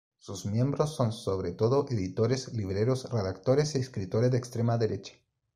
Sus miembros son sobre todo editores, libreros, redactores y escritores de extrema derecha.